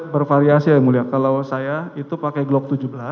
bervariasi ya mulia kalau saya itu pakai glock tujuh belas